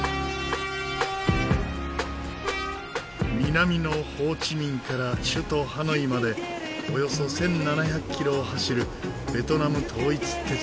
南のホーチミンから首都ハノイまでおよそ１７００キロを走るベトナム統一鉄道。